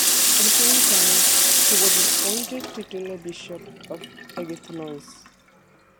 At the same time, he was appointed Titular Bishop of Agathonice.